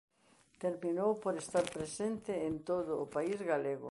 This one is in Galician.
Terminou por estar presente en todo o país galego.